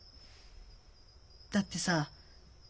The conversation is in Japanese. だってさ